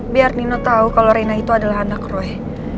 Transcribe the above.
biar nino tahu kalau rina itu adalah anak roy